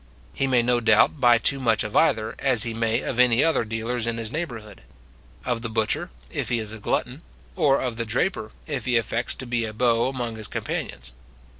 He may no doubt buy too much of either, as he may of any other dealers in his neighbourhood; of the butcher, if he is a glutton; or of the draper, if he affects to be a beau among his companions.